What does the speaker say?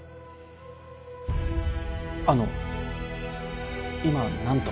あの今何と。